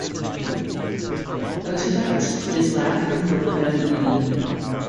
"Osedax" is Latin for "bone-eating".